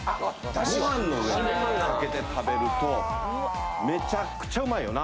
ご飯の上にかけて食べるとめちゃくちゃうまいよな。